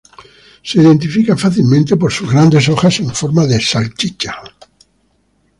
Se identifica fácilmente por sus grandes hojas en forma de salchicha.